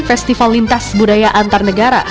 festival lintas budaya antar negara